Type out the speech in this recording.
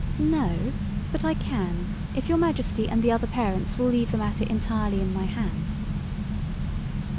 "No; but I can if your Majesty and the other parents will leave the matter entirely in my hands."